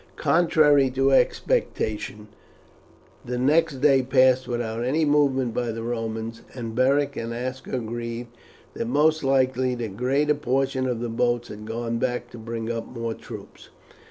Contrary to expectation the next day passed without any movement by the Romans, and Beric and Aska agreed that most likely the greater portion of the boats had gone back to bring up more troops.